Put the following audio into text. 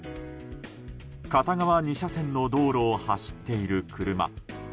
片側２車線の道路を走っている車。